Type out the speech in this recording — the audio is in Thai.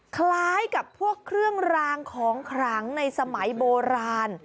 คล้ายกับพวกเครื่องรางของขลังในสมัยโบราณ